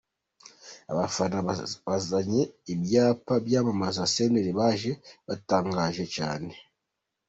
Abafana bazanye ibyapa byamamaza Senderi baje batangaje cyane.